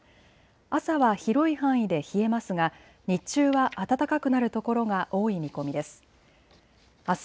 朝は広い範囲で冷えますが日中は暖かくなる所が多い見込みです。